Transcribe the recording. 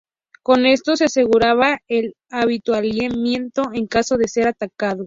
Con esto se aseguraban el avituallamiento en caso de ser atacados.